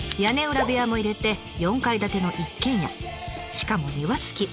しかも庭付き。